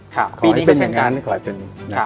คอยเป็นอย่างนั้น